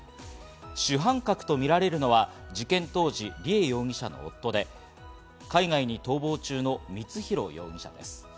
主犯格と見られるのは事件当時、梨恵容疑者の夫で海外に逃亡中の光弘容疑者です。